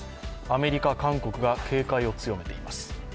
アメリカ、韓国が警戒を強めています。